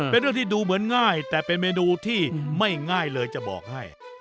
เป็นเรื่องที่ดูเหมือนง่ายแต่เป็นเมนูที่ไม่ง่ายเลยจะบอกให้